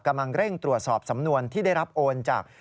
กำลังเร่งตรวจสอบสำนวนที่ได้รับโอนจาก